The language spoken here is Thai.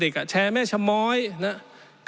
คุณแม่เด็กอะแชร์แม่ชะม้อยนะครับ